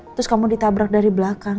terus kamu ditabrak dari belakang